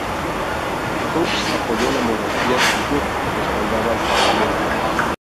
Hobbes apoyó la monarquía y Locke respaldaba al Parlamento.